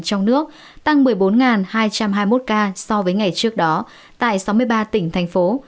trong nước tăng một mươi bốn hai trăm hai mươi một ca so với ngày trước đó tại sáu mươi ba tỉnh thành phố